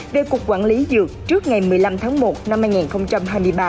về cuộc quản lý dược trước ngày một mươi năm tháng một năm hai nghìn hai mươi ba